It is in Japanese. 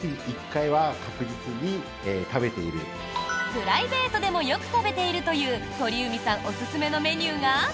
プライベートでもよく食べているという鳥海さんおすすめのメニューが。